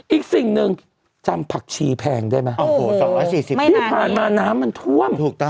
อีกสิ่งหนึ่งจำผักชีแพงได้ไหม๒๔๐ปีที่ผ่านมาน้ำมันท่วม